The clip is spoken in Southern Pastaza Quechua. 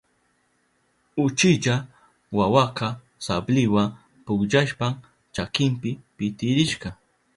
Uchilla wawaka sabliwa pukllashpan chakinpi pitirishka.